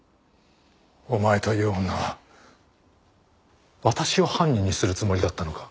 お前という女は私を犯人にするつもりだったのか？